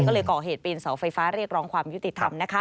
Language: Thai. ก็เลยก่อเหตุปีนเสาไฟฟ้าเรียกร้องความยุติธรรมนะคะ